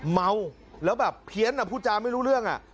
เม้าแล้วเผี๊ยนเปล่าพู่จามไม่รู้เรื่องนะ